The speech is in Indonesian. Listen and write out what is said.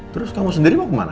terus kamu sendiri mau kemana